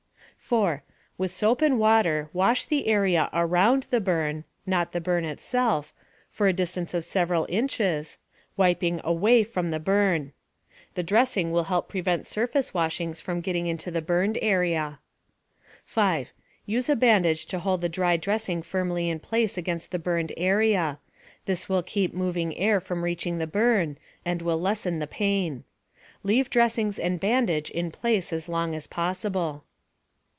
4. With soap and water, wash the area around the burn (not the burn itself) for a distance of several inches, wiping away from the burn. The dressing will help prevent surface washings from getting into the burned area. 5. Use a bandage to hold the dry dressing firmly in place against the burned area. This will keep moving air from reaching the burn, and will lessen the pain. Leave dressings and bandage in place as long as possible.